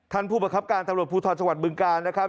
ท่านผู้ประคับการตำรวจภูทรจังหวัดบึงกาลนะครับ